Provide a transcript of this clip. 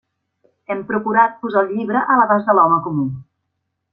Hem procurat posar el llibre a l'abast de l'home comú.